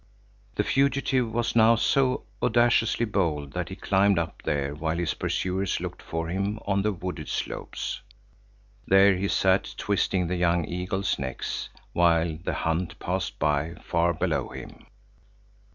The fugitive was now so audaciously bold that he climbed up there, while his pursuers looked for him on the wooded slopes. There he sat twisting the young eaglets' necks, while the hunt passed by far below him.